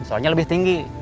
soalnya lebih tinggi